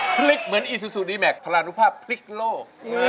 พริกเหมือนอีซูซูดีแมคทารานุภาพพริกโลก